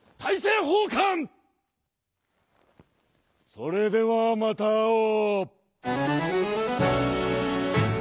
それではまた会おう。